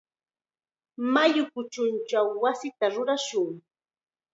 Mayu kuchunchaw wasita rurarishun.